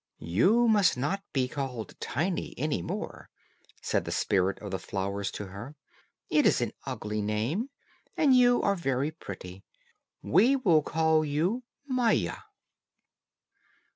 "You must not be called Tiny any more," said the spirit of the flowers to her. "It is an ugly name, and you are so very pretty. We will call you Maia."